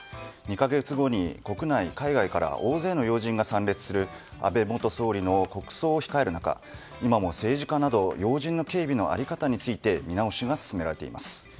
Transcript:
２か月後に国内、海外から大勢の要人が参列する安倍元総理の国葬を控える中今も、政治家など要人の警備の在り方について見直しが進められています。